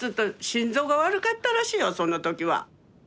心臓が悪かったらしいよその時は。